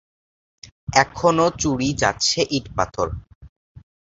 এখনও চুরি যাচ্ছে ইট-পাথর।